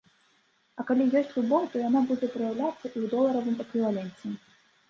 А калі ёсць любоў, то яна будзе праяўляцца і ў доларавым эквіваленце.